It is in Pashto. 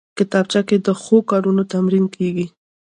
کتابچه کې د ښو کارونو تمرین کېږي